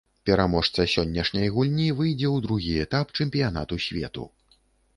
Пераможца сённяшняй гульні выйдзе ў другі этап чэмпіянату свету.